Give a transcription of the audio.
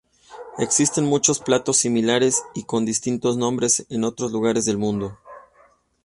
Existen muchos platos similares y con distintos nombres en otros lugares del mundo.